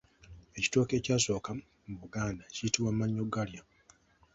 Ekitooke ekyasooka mu Buganda kiyitibwa mannyogalya.